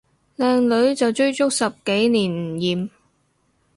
靚女就追足十幾年唔厭